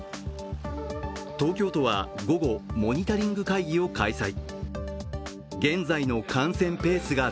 東京都は、午後モニタリング会議を開催。